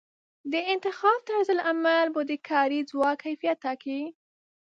د انتخاب طرزالعمل به د کاري ځواک کیفیت ټاکي.